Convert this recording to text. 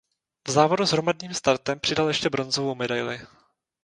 V závodu s hromadným startem přidal ještě bronzovou medaili.